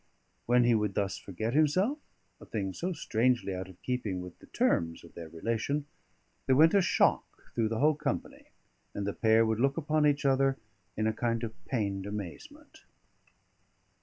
When he would thus forget himself (a thing so strangely out of keeping with the terms of their relation), there went a shock through the whole company, and the pair would look upon each other in a kind of pained amazement.